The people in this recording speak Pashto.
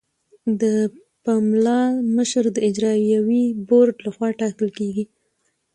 د پملا مشر د اجرایوي بورډ لخوا ټاکل کیږي.